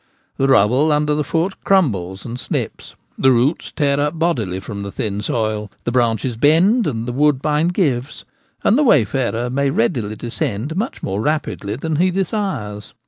The rubble under foot crumbles and slips, the roots tear up bodily from the thin soil, the branches bend, and the woodbine 'gives/ and the wayfarer may readily descend much more rapidly than he desires.